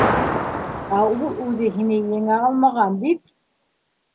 — Ә ул үҙе һине еңә алмаған бит!